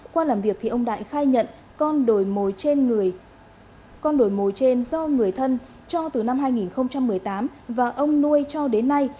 qua làm việc ông đại khai nhận con đồi mồi trên do người thân cho từ năm hai nghìn một mươi tám và ông nuôi cho đến nay